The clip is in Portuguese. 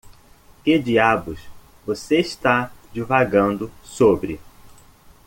Que diabos você está divagando sobre?